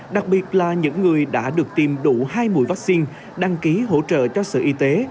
đặc biệt là những người đã được tiêm đủ hai mũi vaccine đăng ký hỗ trợ cho sở y tế